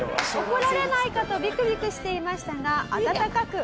怒られないかとビクビクしていましたが温かく受け入れられています。